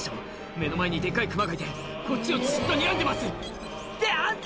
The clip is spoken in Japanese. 「目の前にデカいクマがいてこっちをじっとにらんでます」ってあんた